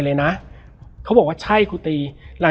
แล้วสักครั้งหนึ่งเขารู้สึกอึดอัดที่หน้าอก